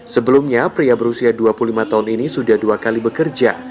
sebelumnya pria berusia dua puluh lima tahun ini sudah dua kali bekerja